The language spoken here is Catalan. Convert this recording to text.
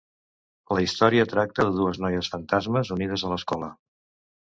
La història tracta de dues noies fantasmes unides a l'escola.